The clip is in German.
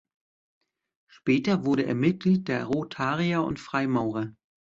Später wurde er Mitglied der Rotarier und Freimaurer.